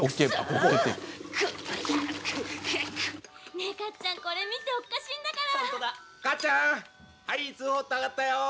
ねえ、カッちゃんこれ見て、おっかしいんだから。